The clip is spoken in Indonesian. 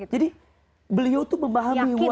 jadi beliau tuh memahami